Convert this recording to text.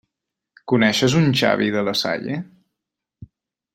Coneixes un Xavi de La Salle?